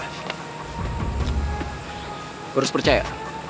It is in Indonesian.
gua harus percaya